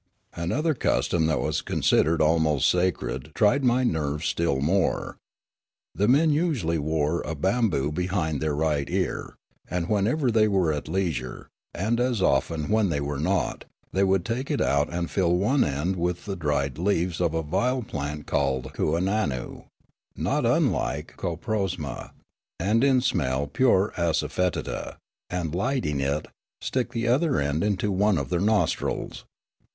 Another custom that was considered almost sacred tried my nerves still more. The men usually wore a bamboo behind their right ear, and whenever they were at leisure, and as often when they were not, they would take it out and fill one end with the dried leaves of a vile plant called kooannoo, not unlike a coprosma, and in smell pure assafoetida, and lighting it, stick the other end into one of their nostrils.